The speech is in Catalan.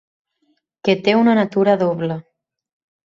Que té una natura doble.